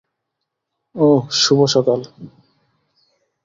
ওহ, শুভ সকাল।